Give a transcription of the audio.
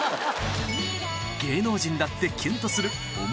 芸能人だってキュンとする思